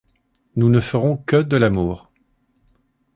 Nous ne ferons que de l'amour !